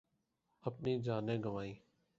اپنی جانیں گنوائیں